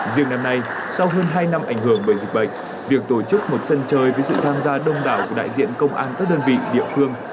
riêng năm nay sau hơn hai năm ảnh hưởng bởi dịch bệnh việc tổ chức một sân chơi với sự tham gia đông đảo của đại diện công an các đơn vị địa phương